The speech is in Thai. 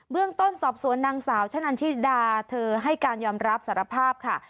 เรื่องต้นสอบสวนนางสาวชะนันชิดาเธอให้การยอมรับสารภาพค่ะ